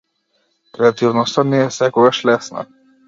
Креативноста не е секогаш лесна.